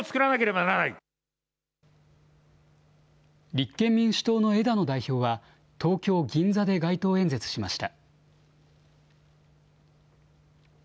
立憲民主党の枝野代表は、東京・銀座で街頭演説しました。